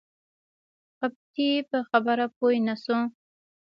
قبطي پر خبره پوی نه شو.